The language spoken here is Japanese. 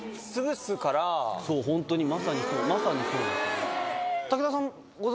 そうホントにまさにそうまさにそう。